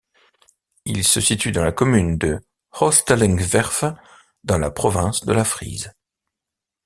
Il se situe dans la commune de Ooststellingwerf, dans la province de la Frise.